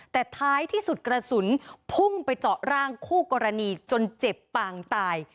แต่ท้ายที่สุดกระสุนพุ่งไปเจาะร่างคู่กรณีจนเจ็บปางตาย